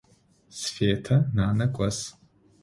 Светэ нанэ гос.